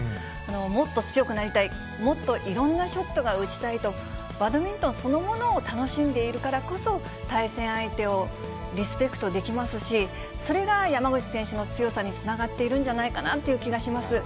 もっと強くなりたい、もっといろんなショットが打ちたいと、バドミントンそのものを楽しんでいるからこそ、対戦相手をリスペクトできますし、それが山口選手の強さにつながっているんじゃないかなという気がします。